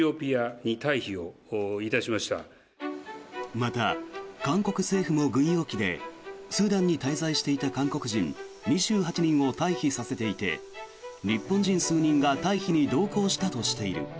また、韓国政府も軍用機でスーダンに滞在していた韓国人２８人を退避させていて日本人数人が退避に同行したとしている。